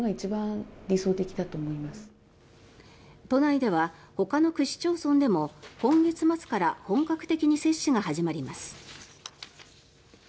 都内では、ほかの区市町村でも今月末から本格的に接種が始まります。